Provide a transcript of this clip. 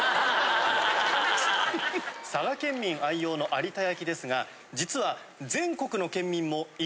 佐賀県民愛用の有田焼ですが実は。